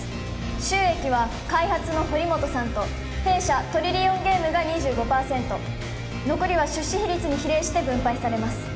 収益は開発の堀本さんと弊社トリリオンゲームが２５％残りは出資比率に比例して分配されます